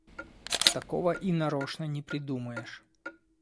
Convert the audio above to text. Такого и нарочно не придумаешь.